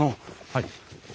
はい。